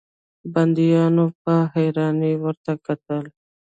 بنديانو په حيرانۍ ورته کتل.